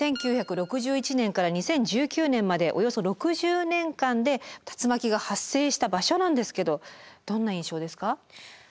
１９６１年から２０１９年までおよそ６０年間で竜巻が発生した場所なんですけどどんな印象ですか？